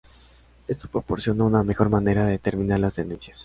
Esto proporciona una mejor manera de determinar las tendencias.